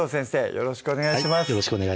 よろしくお願いします